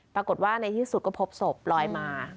ปรากฏว่าในที่สุดก็พบศพลอยมา